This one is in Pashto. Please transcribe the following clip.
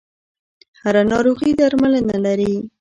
هره ناروغي درملنه لري.